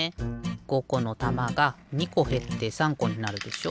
５このたまが２こへって３こになるでしょ。